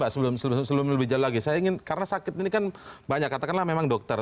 sebelum ini lebih jauh lagi karena sakit ini kan banyak katakanlah memang dokter